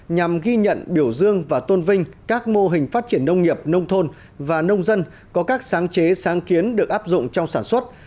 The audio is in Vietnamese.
nhằm ghi nhận biểu dương và tôn vinh các mô hình phát triển nông nghiệp nông thôn và nông dân có các sáng chế sáng kiến được áp dụng trong sản xuất